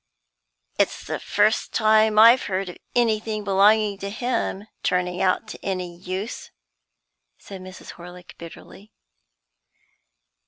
"It's the first time I've heard of anything belonging to him turning out any use," said Mrs. Horlick, bitterly.